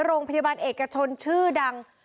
โรงพยาบาลเอกชนชื่อดัง